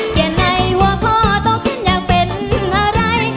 เฮียไหนหัวพ่อตกอยากเป็นอะไร